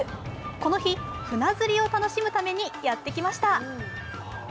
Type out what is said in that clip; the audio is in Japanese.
この日、船釣りを楽しむためにやってきました。